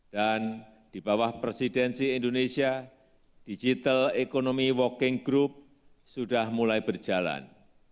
dan di bawah presidensi indonesia digital economy working group sudah mulai berjalan